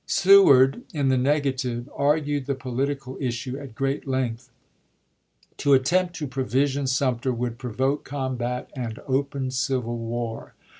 Seward, in the negative, argued the political issue at great length. To attempt to provision Sumter would provoke combat and open civil war.